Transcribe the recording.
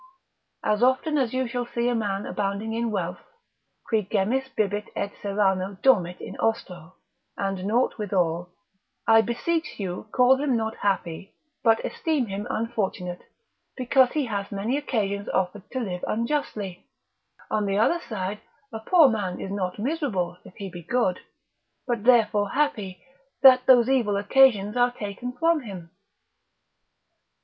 As often as you shall see a man abounding in wealth, qui gemmis bibit et Serrano dormit in ostro, and naught withal, I beseech you call him not happy, but esteem him unfortunate, because he hath many occasions offered to live unjustly; on the other side, a poor man is not miserable, if he be good, but therefore happy, that those evil occasions are taken from him.